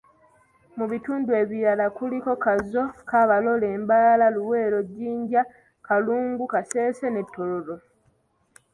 Mu bitundu ebirala kuliko; Kazo, Kabarole, Mbarara, Luweero, Jinja, Kalungu, Kasese ne Tororo.